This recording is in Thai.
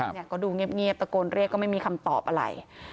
เขาก็ดูเงียบเงียบตะโกนเรียกก็ไม่มีคำตอบไร